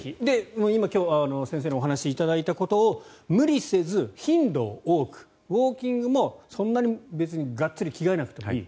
今日先生にお話しいただいたことを無理せず頻度を多くウォーキングもそんなに別にがっつり着替えなくてもいい。